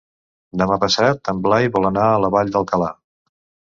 Demà passat en Blai vol anar a la Vall d'Alcalà.